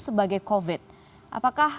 sebagai covid apakah